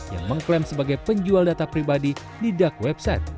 yang mengklaim sebagai penjual data pribadi di dak website